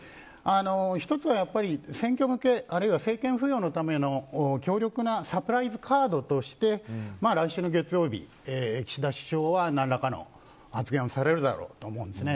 １つは選挙向け政権浮揚のための強力なサプライズカードとして来週の月曜日、岸田首相は何らかの発言をされるだろうと思うんです。